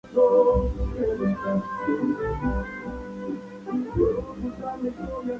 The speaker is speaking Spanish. En verano regresa a España, procedente del fútbol Rumano al Alcorcón.